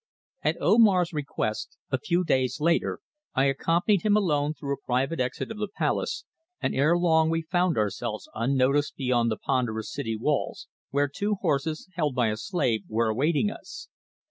AT Omar's request a few days later I accompanied him alone through a private exit of the palace, and ere long we found ourselves unnoticed beyond the ponderous city walls, where two horses, held by a slave, were awaiting us.